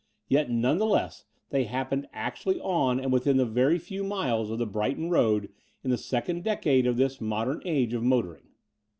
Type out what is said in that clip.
Yet none the less they happened actually on and within a very few miles of the Brighton Road in the second decade of this modem age of motoring.